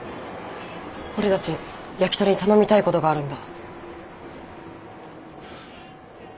俺たちヤキトリに頼みたいことがあるんだ。